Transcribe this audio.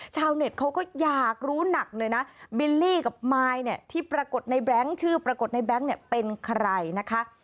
ชาวเน็ตเขาก็อยากรู้หนักเลยนะบิลลี่กับมายเนี่ยที่ปรากฏในแบงค์ชื่อปรากฏในแบงค์เนี่ยเป็นใครนะคะ